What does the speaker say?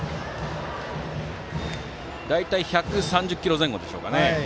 大体１３０キロ前後でしょうか。